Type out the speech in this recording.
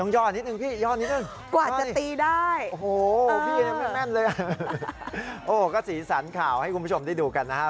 โอ้โหก็สีสันข่าวให้คุณผู้ชมได้ดูกันนะฮะ